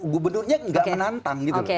gubernurnya nggak menantang gitu loh